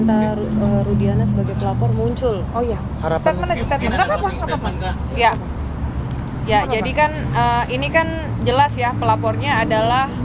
hai saja jadikan ia ini kan jelas ya pelapornya adalah